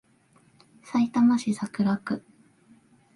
さいたま市桜区